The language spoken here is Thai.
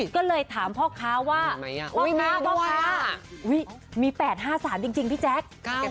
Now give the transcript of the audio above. ก็เลยถามพ่อค้าว่ามี๘๕๓จริงพี่แจ๊ค